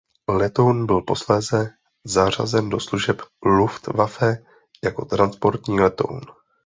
Letoun byl posléze zařazen do služeb "Luftwaffe" jako transportní letoun.